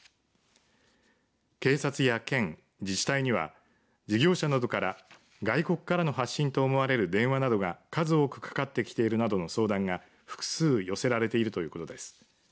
警察や県、自治体には事業者などから外国からの発信と思われる電話などが数多くかかってきているなどの相談が複数寄せられているということです。